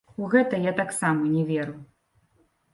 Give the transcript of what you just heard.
У гэта я таксама не веру.